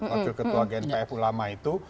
wakil ketua gnpf ulama itu